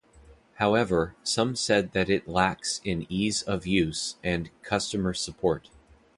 However, some said that it lacks in Ease of Use and Customer Support.